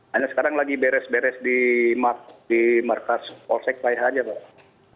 hanya sekarang lagi beres beres di markas polsek baik saja pak